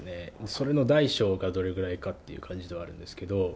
それの大小がどれぐらいかっていう感じではあるんですが。